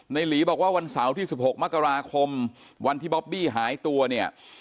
หลีบอกว่าวันเสาร์ที่๑๖มกราคมวันที่บอบบี้หายตัวเนี่ย